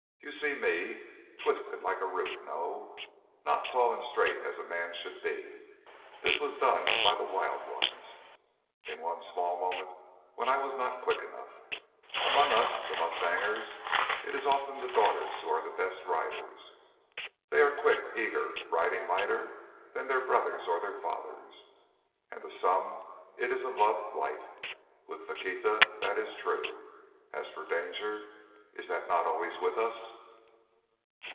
You see me, twisted like a root, no? Not tall and straight as a man should be. This was done by the wild ones—in one small moment when I was not quick enough. Among us—the mustangers—it is often the daughters who are the best riders. They are quick, eager, riding lighter than their brothers or their fathers. And to some it is a loved life. With Faquita that is true. As for danger—is that not always with us?